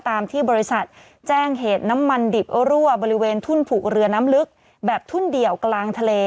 ตามที่บริษัทแจ้งเหตุน้ำมันดิบรั่วบริเวณทุ่นผูกเรือน้ำลึกแบบทุ่นเดี่ยวกลางทะเล